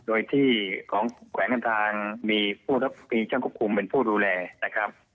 โดยที่ของแขวงการทางมีผู้รับมีช่างควบคุมเป็นผู้ดูแลนะครับ